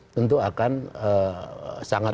tentu akan sangat